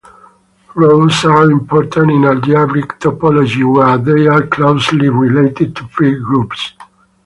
Roses are important in algebraic topology, where they are closely related to free groups.